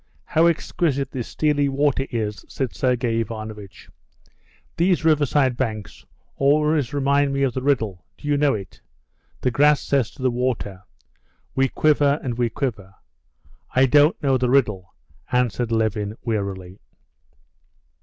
How exquisite this steely water is!" said Sergey Ivanovitch. "These riverside banks always remind me of the riddle—do you know it? 'The grass says to the water: we quiver and we quiver.'" "I don't know the riddle," answered Levin wearily.